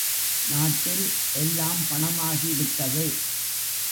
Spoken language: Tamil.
நாட்டில், எல்லாம் பணமாகிவிட்டது.